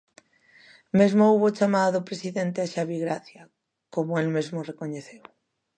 Mesmo houbo chamada do presidente a Xabi Gracia, como el mesmo recoñeceu.